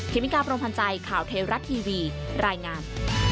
เมกาพรมพันธ์ใจข่าวเทวรัฐทีวีรายงาน